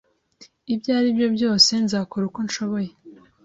Ibyo ari byo byose, nzakora uko nshoboye.